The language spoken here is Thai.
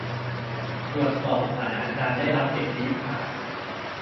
ตรวจสอบสถานะการได้รับสิทธิผ่าน